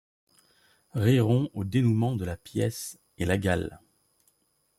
Riront au dénoûment de la pièce, et la Gale